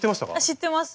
知ってます。